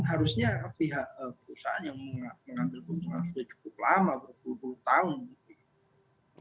harusnya pihak perusahaan yang mengambil keuntungan sudah cukup lama berpuluh puluh tahun